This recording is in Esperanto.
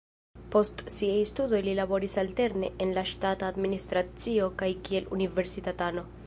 Post siaj studoj li laboris alterne en la ŝtata administracio kaj kiel universitatano.